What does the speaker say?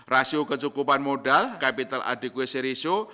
rasio kesukupan modal capital adequacy ratio